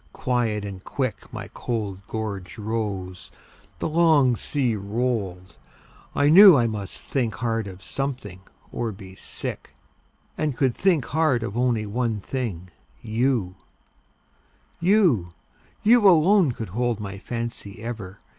Quiet and quick My cold gorge rose; the long sea rolled; I knew I must think hard of something, or be sick; And could think hard of only one thing YOU! You, you alone could hold my fancy ever!